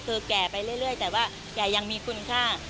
คือแก่ไปเรื่อยแต่ว่าแก่ยังมีคุณค่า